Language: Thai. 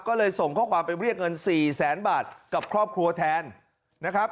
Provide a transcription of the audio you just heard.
ก็เลยส่งข้อความไปเรียกเงินสี่แสนบาทกับครอบครัวแทนนะครับ